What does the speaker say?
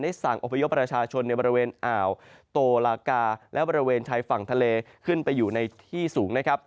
สั่งอพยพประชาชนในบริเวณอ่าวโตลากาและบริเวณชายฝั่งทะเลขึ้นไปอยู่ในที่สูงนะครับ